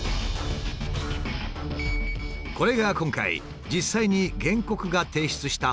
これが今回実際に原告が提出した報告書です。